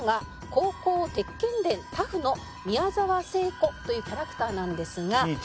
『高校鉄拳伝タフ』の宮沢静虎というキャラクターなんですが。